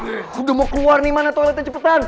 udah mau keluar nih mana toiletnya cepetan